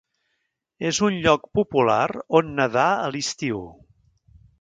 És un lloc popular on nedar a l'estiu.